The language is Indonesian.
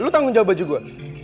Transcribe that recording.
lu tanggung jawab baju gue